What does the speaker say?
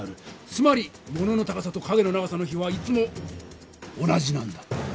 つまり物の高さと影の長さの比はいつも同じなんだ。